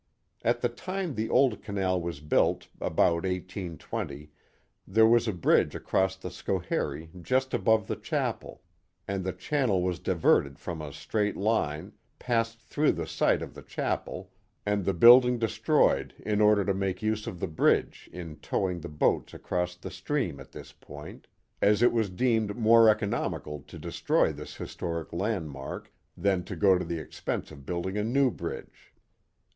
At the time the old canal was built, about 1820, there was a bridge across the Schoharie just above the chapel, and the channel was diverted from a straight line, passed through the site of the chapel, and the building destroyed in order to make use of the bridge in towing the boats across the stream at this point, as it was deemed more economical to destroy this historic landmark than go to the expense of building a new bridge.